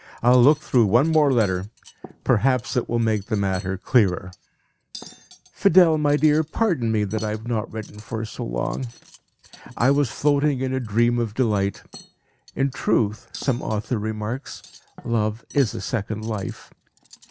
I'll look through one more letter; perhaps it will make the matter clearer. "Fidel, my dear, pardon me that I have not written for so long. I was floating in a dream of delight. In truth, some author remarks, 'Love is a second life.'